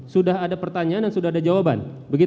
sudah ada pertanyaan dan sudah ada jawaban